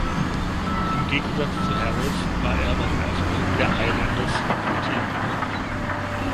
Im Gegensatz zu Harris war er bei den Erfolgen der Islanders noch im Team.